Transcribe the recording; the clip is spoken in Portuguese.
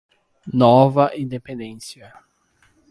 Nova Independência